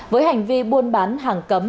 với hành vi buôn bán hàng cấm